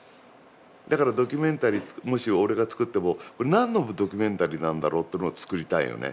だからドキュメンタリーもし俺が作ってもこれ何のドキュメンタリーなんだろうっていうのを作りたいよね。